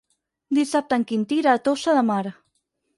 Dissabte en Quintí irà a Tossa de Mar.